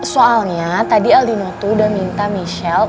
soalnya tadi aldino tuh udah minta michelle